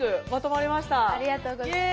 ありがとうございます。